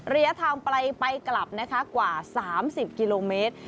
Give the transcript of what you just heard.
ระยะทางไปกลับนะคะกว่า๓๐กิโลเมตร